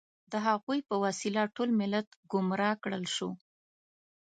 د هغوی په وسیله ټول ملت ګمراه کړل شو.